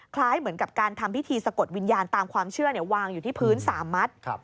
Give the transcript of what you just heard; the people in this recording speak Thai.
คล้ายเหมือนกับการทำพิธีสะกดวิญญาณตามความเชื่อวางอยู่ที่พื้น๓มัด